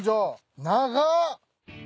長っ！